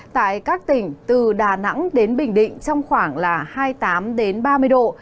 tại các tỉnh từ đà nẵng đến bình định trong khoảng là hai mươi tám ba mươi độ